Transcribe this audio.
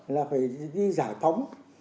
là phải đi giải phóng